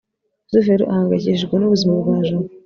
rusufero ahangayikishijwe n'ubuzima bwa jabo